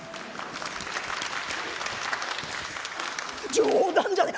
「冗談じゃねえ。